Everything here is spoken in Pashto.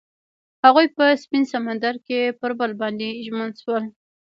هغوی په سپین سمندر کې پر بل باندې ژمن شول.